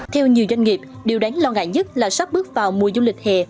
theo nhiều doanh nghiệp điều đáng lo ngại nhất là sắp bước vào mùa du lịch hè